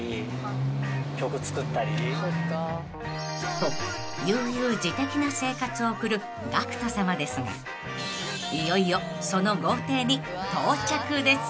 ［と悠々自適な生活を送るＧＡＣＫＴさまですがいよいよその豪邸に到着です］